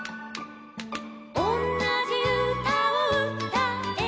「おんなじうたをうたえば」